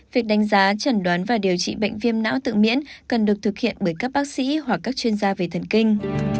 việc đánh giá trần đoán và điều trị bệnh viêm não tự miễn cần được thực hiện bởi các bác sĩ hoặc các chuyên gia về thần kinh